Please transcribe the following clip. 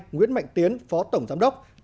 hai nguyễn mạnh tiến phó tổng giám đốc